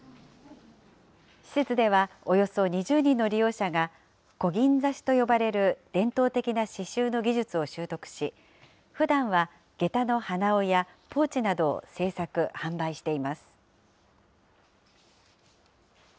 施設ではおよそ２０人の利用者が、こぎん刺しと呼ばれる伝統的な刺しゅうの技術を習得し、ふだんはげたの鼻緒やポーチなどを製作・販売しています。